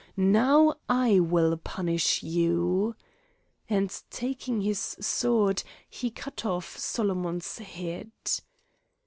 Now I will punish you," and taking his sword he cut off Solomon's head.